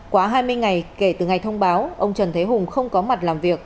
quá hai mươi ngày kể từ ngày thông báo ông trần thế hùng không có mặt làm việc